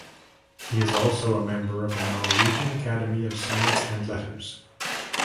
He is also a member of the Norwegian Academy of Science and Letters.